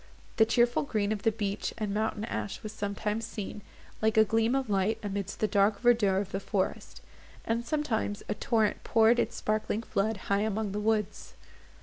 The cheerful green of the beech and mountain ash was sometimes seen, like a gleam of light, amidst the dark verdure of the forest; and sometimes a torrent poured its sparkling flood, high among the woods.